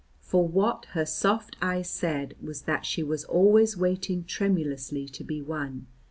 For what her soft eyes said was that she was always waiting tremulously to be won.